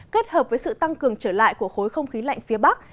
kết hợp với sự tăng cường trở lại của khối không khí lạnh phía bắc